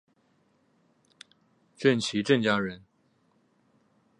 郑琦郑家人。